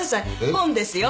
本ですよ